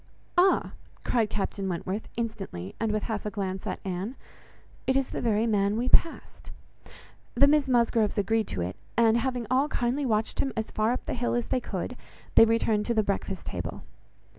"Ah!" cried Captain Wentworth, instantly, and with half a glance at Anne, "it is the very man we passed." The Miss Musgroves agreed to it; and having all kindly watched him as far up the hill as they could, they returned to the breakfast table.